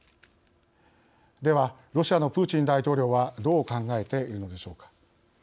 ではロシアのプーチン大統領はどう考えているのでしょうか。